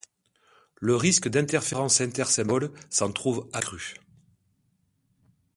Le risque d’interférence inter-symbole s'en trouve accru.